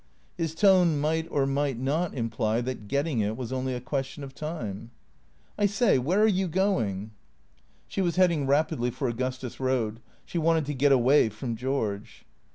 His tone might or might not imply that getting it was only a question of time. " I say, where are you going?" She was heading rapidly for Augustus Road. She wanted to get away from George.